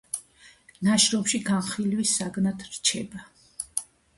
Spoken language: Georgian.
ნაშრომი განხილვის საგნად რჩება.